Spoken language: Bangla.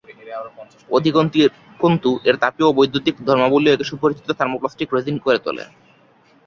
অধিকন্তু, এর তাপীয় ও বৈদ্যুতিক ধর্মাবলিও একে সুপরিচিত থার্মোপ্লাস্টিক রেসিন করে তোলে।